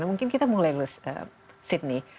mungkin kita mulai sidney